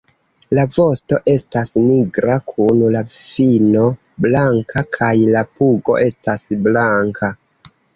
La vosto estas nigra kun la fino blanka kaj la pugo estas blanka.